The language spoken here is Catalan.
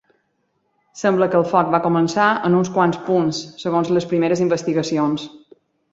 Sembla que el foc va començar en uns quants punts, segons les primeres investigacions.